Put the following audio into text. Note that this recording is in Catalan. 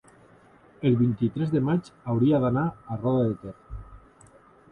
el vint-i-tres de maig hauria d'anar a Roda de Ter.